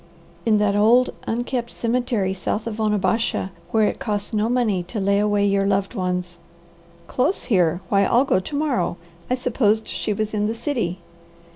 "In that old unkept cemetery south of Onabasha, where it costs no money to lay away your loved ones." "Close here! Why I'll go to morrow! I supposed she was in the city."